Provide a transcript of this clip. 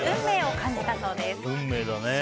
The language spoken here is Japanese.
運命だね。